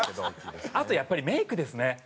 あとやっぱりメイクですね。